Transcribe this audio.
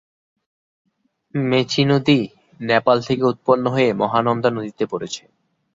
মেচী নদী নেপাল থেকে উৎপন্ন হয়ে মহানন্দা নদীতে পড়েছে।